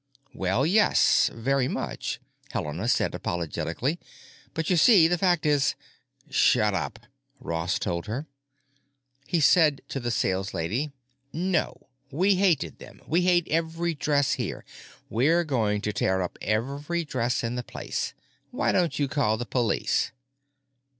"Well yes, very much," Helena began apologetically. "But you see, the fact is——" "Shuddup!" Ross told her. He said to the saleslady: "No. We hated them. We hate every dress here. We're going to tear up every dress in the place. Why don't you call the police?"